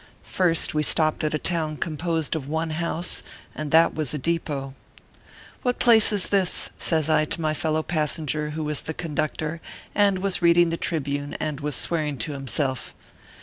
First we stopped at a town composed of one house, and that was a depot. "What place is this ?" says I to my fellow pas senger, who was the conductor, and was reading the Tribune, and was swearing to himself.